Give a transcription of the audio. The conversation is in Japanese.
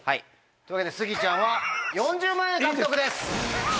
というわけでスギちゃんは４０万円獲得です。